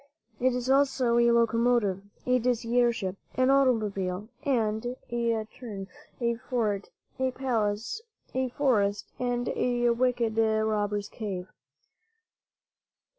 It is also a locomotive, a dizzy air ship, an automobile, and, in turn, a fort, a palace, a forest and a wicked robber's cave.